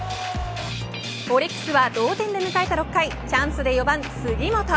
オリックスは同点で迎えた６回チャンスで４番杉本。